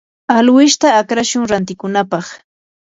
alwishta akrashun rantikunapaq.